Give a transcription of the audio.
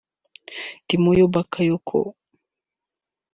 Tiemoue Bakayoko